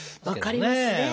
分かりますね。